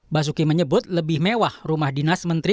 basuki menyebut lebih mewah rumah dinas menteri